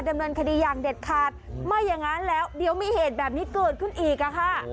ดำเนินคดีอย่างเด็ดขาดไม่อย่างนั้นแล้วเดี๋ยวมีเหตุแบบนี้เกิดขึ้นอีกอ่ะค่ะ